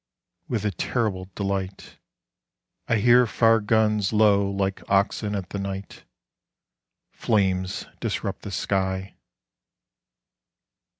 With a terrible delight I hear far guns low like oxen at the night. Flames disrupt the sky.